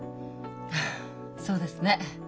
ああそうですね。